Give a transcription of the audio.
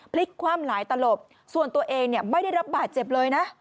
พลิกคว่ำหลายตลบส่วนตัวเองเนี่ยไม่ได้รับบาดเจ็บเลยนะ